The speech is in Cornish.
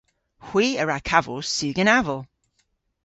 Hwi a wra kavos sugen aval.